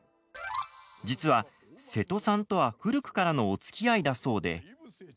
実は、瀬戸さんとは古くからのおつきあいだそうで。